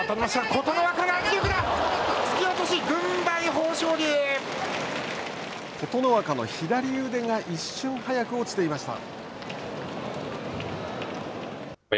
琴ノ若の左腕が一瞬早く落ちていました。